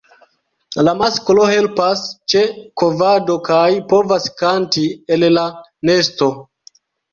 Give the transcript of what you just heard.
La masklo helpas ĉe kovado kaj povas kanti el la nesto.